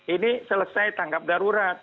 ini selesai tangkap darurat